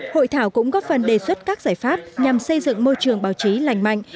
hội thảo cũng góp phần đề xuất các giải pháp nhằm xây dựng môi trường báo chí lành mạnh